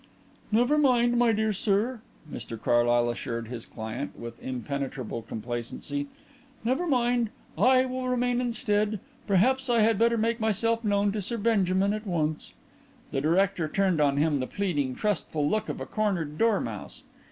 "Never mind, my dear sir," Mr Carlyle assured his client, with impenetrable complacency. "Never mind. I will remain instead. Perhaps I had better make myself known to Sir Benjamin at once." The director turned on him the pleading, trustful look of a cornered dormouse.